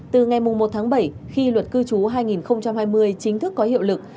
từ ngày một tháng bảy khi luật cư trú hai nghìn hai mươi chính thức có hiệu lực